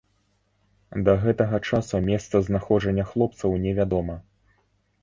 Да гэтага часу месца знаходжання хлопцаў невядома.